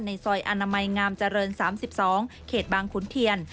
ซอยอนามัยงามเจริญ๓๒เขตบางขุนเทียน